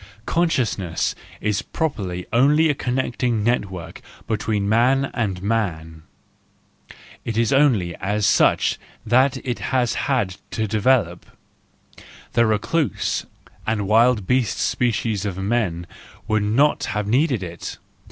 Consciousness is properly only a connecting net¬ work between man and man,—It is only as such that it has had to develop; the recluse and wild beast species of men would not have needed it.